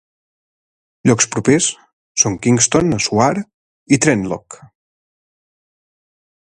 Llocs propers són Kingston a Soar i Trentlock.